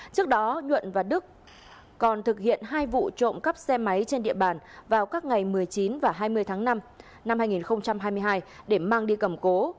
trước đó nhuận và đức còn thực hiện hai vụ trộm cắp xe máy trên địa bàn vào các ngày một mươi chín và hai mươi tháng năm năm hai nghìn hai mươi hai để mang đi cầm cố